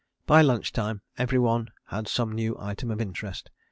By lunch time every one had some new item of interest.